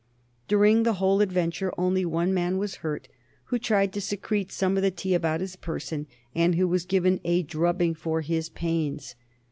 During the whole adventure only one man was hurt, who tried to secrete some of the tea about his person, and who was given a drubbing for his pains.